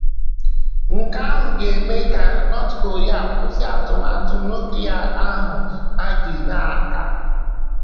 nke ahụ ga-eme ka Nọt Korịa kwụsị atụmatụ nuklịa ahụ ha ji na-aka.